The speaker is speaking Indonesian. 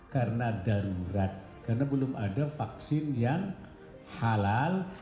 karena darurat karena belum ada vaksin yang halal